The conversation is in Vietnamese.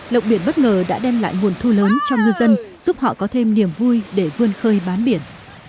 lộng biển bất ngờ đã đem lại nguồn thu lớn cho ngư dân giúp họ có thêm niềm vui để vươn khơi bán biển